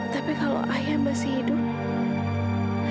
tapi kalau ayah masih hidup